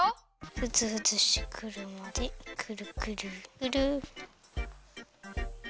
ふつふつしてくるまでくるくるくる。